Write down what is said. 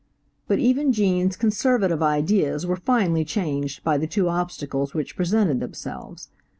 But even Gene's conservative ideas were finally changed by the two obstacles which presented themselves.